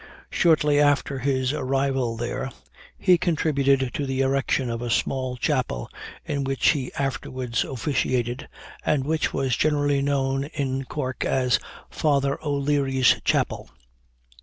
Shortly after his arrival there, he contributed to the erection of a small chapel, in which he afterwards officiated, and which was generally known in Cork as "Father O'Leary's Chapel."